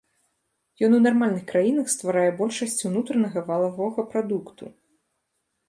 Ён у нармальных краінах стварае большасць унутранага валавога прадукту.